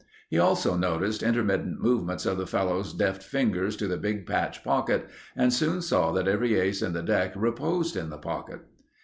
He also noticed intermittent movements of the fellow's deft fingers to the big patch pocket and soon saw that every ace in the deck reposed in the pocket.